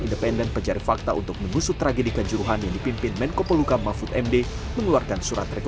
intervensi terhadap pssi nya akan berjalan dengan baik